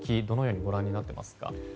どのようにご覧になっていますか？